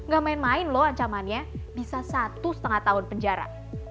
gak main main loh ancamannya bisa satu setengah tahun penjara